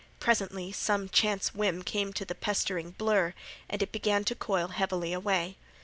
Presently some chance whim came to the pestering blur, and it began to coil heavily away.